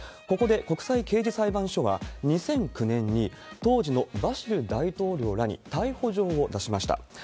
ここで国際刑事裁判所は、２００９年に、当時のバシル大統領らに逮捕状を出しました。